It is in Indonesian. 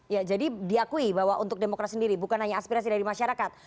ya jadi diakui bahwa untuk demokrat sendiri bukan hanya aspirasi dari masyarakat